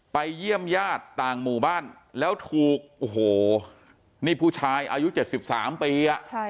เยี่ยมญาติต่างหมู่บ้านแล้วถูกโอ้โหนี่ผู้ชายอายุ๗๓ปี